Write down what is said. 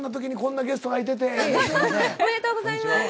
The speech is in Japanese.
おめでとうございます。